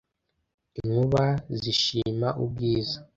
Inkuba zishima ubwiza